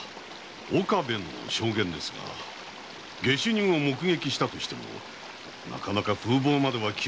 岡部の証言ですが下手人を目撃したとしてもなかなか風貌までは記憶に残らないものですが。